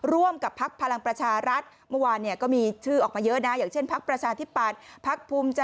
ร่วมกับพักภัลังประชารัช